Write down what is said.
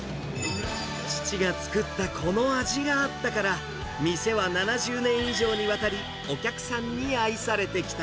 父が作ったこの味があったから、店は７０年以上にわたりお客さんに愛されてきた。